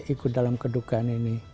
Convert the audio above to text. ikut dalam kedukaan ini